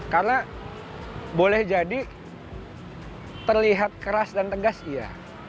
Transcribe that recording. karena boleh jadi terlihat keras dan tegas iya